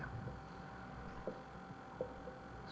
saya tidak tahu bagaimana